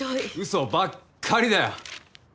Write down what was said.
嘘ばっかりだよ。